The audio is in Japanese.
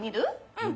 うん！